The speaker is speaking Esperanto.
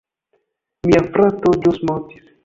Mia frato ĵus mortis!